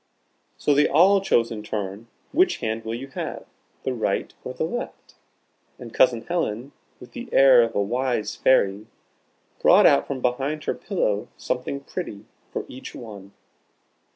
So they all chose in turn, "Which hand will you have, the right or the left?" and Cousin Helen, with the air of a wise fairy, brought out from behind her pillow something pretty for each one.